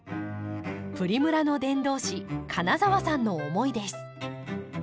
プリムラの伝道師金澤さんの思いです。